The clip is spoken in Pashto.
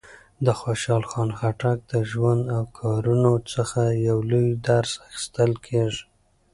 د خوشحال خان خټک د ژوند او کارونو څخه یو لوی درس اخیستل کېږي.